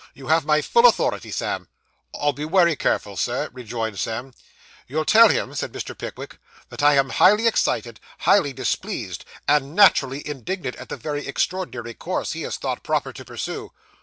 You have my full authority, Sam.' 'I'll be wery careful, sir,' rejoined Sam. 'You'll tell him,' said Mr. Pickwick, 'that I am highly excited, highly displeased, and naturally indignant, at the very extraordinary course he has thought proper to pursue.